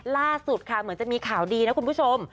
ล่าสุดค่ะเหมือนจะมีข่าวดีนะคุณผู้ชม